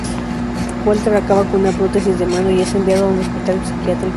Walter acaba con una prótesis de mano y es enviado a un hospital psiquiátrico.